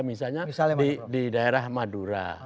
misalnya di daerah madura